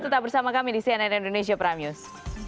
tetap bersama kami di cnn indonesia prime news